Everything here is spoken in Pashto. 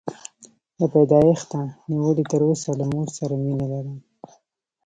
له پیدایښته نیولې تر اوسه له مور سره مینه لرم.